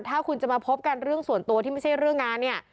ถ้าคุณจะมาพบกันเรื่องส่วนตัวที่ไม่ใช่เรื่องงานเนี่ย